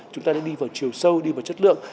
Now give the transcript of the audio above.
chúng ta đã đi vào chiều sâu đi vào chất lượng